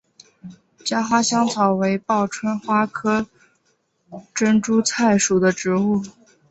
茄花香草为报春花科珍珠菜属的植物。